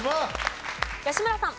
吉村さん。